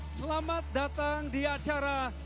selamat datang di acara